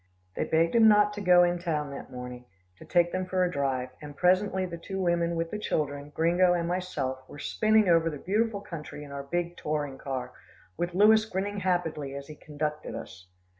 They begged him not to go in town that morning, to take them for a drive, and presently the two women with the children, Gringo and myself, were spinning over the beautiful country in our big touring car, with Louis grinning happily as he conducted us.